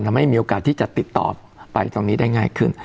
มีโอกาสที่จะติดต่อไปตรงนี้ได้ง่ายขึ้น